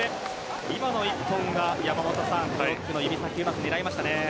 今の１本はブロックの指先をうまく狙いましたね。